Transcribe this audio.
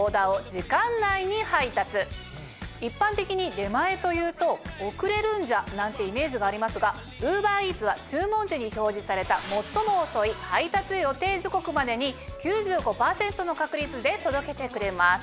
一般的に出前というと「遅れるんじゃ？」なんてイメージがありますがＵｂｅｒＥａｔｓは注文時に表示された最も遅い配達予定時刻までに９５％の確率で届けてくれます。